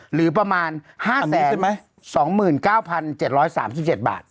หรือประมาณ๕๒๙๗๓๗บาท